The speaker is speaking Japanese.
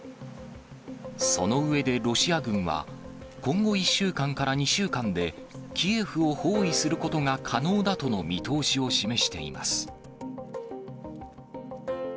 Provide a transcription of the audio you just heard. その上でロシア軍は、今後１週間から２週間で、キエフを包囲することが可能だとの見通しを示しています。